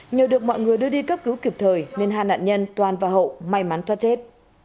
nhờ được mọi người đưa đi cấp cứu kịp thời nên hai nạn nhân toàn và hậu may mắn thoát chết